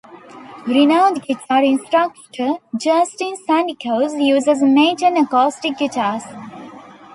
Renowned guitar instructor Justin Sandercoe uses Maton acoustic guitars.